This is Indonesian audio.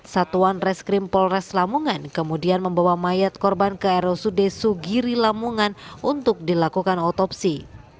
satuan reskrim polres lamongan kemudian membawa mayat korban ke rsud sugiri lamungan untuk dilakukan otopsi